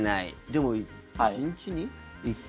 でも１日に１回。